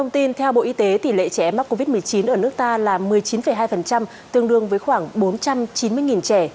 theo bộ y tế tỷ lệ trẻ em mắc covid một mươi chín ở nước ta là một mươi chín hai tương đương với khoảng bốn trăm chín mươi trẻ